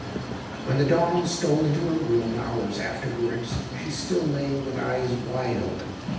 When the dawn stole into her room, hours afterwards, she still lay with eyes wide open.